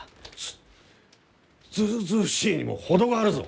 ずずうずうしいにも程があるぞ！